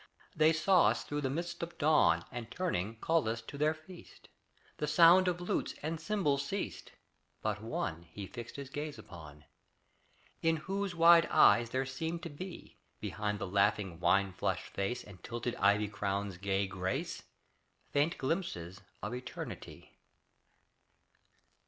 They saw us through the mist of dawn, And, turning, called us to their feast The sound of lutes and cymbals ceased But one He fixed His gaze upon. In whose wide eyes there seemed to be Behind the laughing, wine flushed face And tilted ivy crown's gay grace Faint glimpses of Eternity.